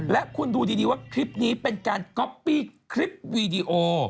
และคุณดูดีว่าคลิปนี้เป็นการก๊อปปี้คลิปวีดีโอ